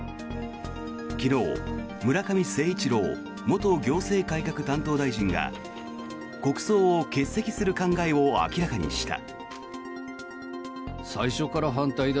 昨日村上誠一郎元行政改革担当大臣が国葬を欠席する考えを明らかにした。